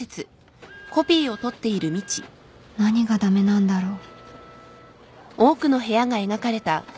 何が駄目なんだろう